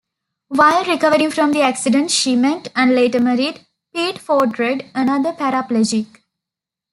While recovering from the accident, she met, and later married, Pete Fordred, another paraplegic.